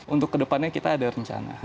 untuk kedepannya kita ada rencana